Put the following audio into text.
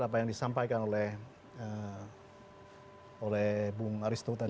apa yang disampaikan oleh bung aristo tadi